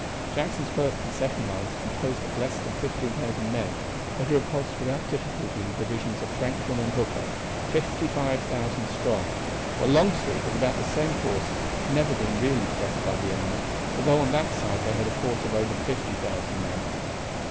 Jackson's first and second lines, composed of less than 15,000 men, had repulsed without difficulty the divisions of Franklin and Hooker, 55,000 strong; while Longstreet with about the same force had never been really pressed by the enemy, although on that side they had a force of over 50,000 men.